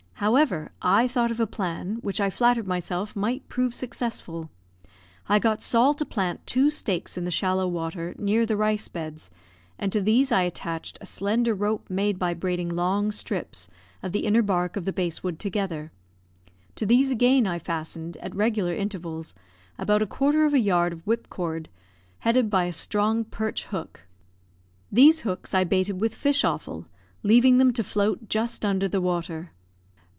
However, I thought of a plan, which I flattered myself might prove successful; I got Sol to plant two stakes in the shallow water, near the rice beds, and to these I attached a slender rope made by braiding long strips of the inner bark of the basswood together; to these again I fastened, at regular intervals, about a quarter of a yard of whipcord, headed by a strong perch hook. These hooks I baited with fish offal, leaving them to float just under the water.